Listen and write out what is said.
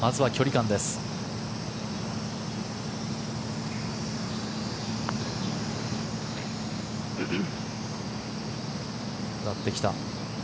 下ってきた。